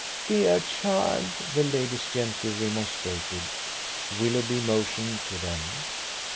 "Dear child!" the ladies gently remonstrated. Willoughby motioned to them.